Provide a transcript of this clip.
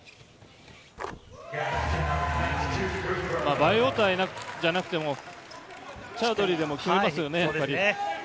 バイウォーターじゃなくてもチャウドリーでも決めますよね、やっぱり。